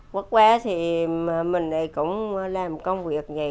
quất quá thì mình cũng làm công việc vậy